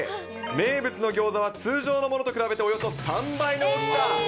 名物のギョーザは通常のものと比べておよそ３倍の大きさ。